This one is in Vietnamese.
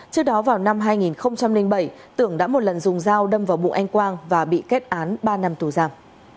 trước đó vào năm hai nghìn bảy tưởng đã một lần dùng dao đâm vào bụng anh quang và bị kết án ba năm tù giam